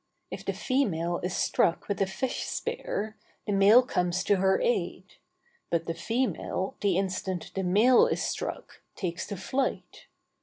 If the female is struck with a fish spear, the male comes to her aid; but the female, the instant the male is struck, takes to flight.